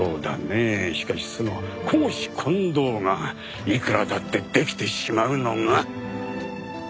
しかしその公私混同がいくらだってできてしまうのが。